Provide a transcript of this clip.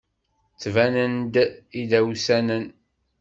Ttbanen-d d idawsanen.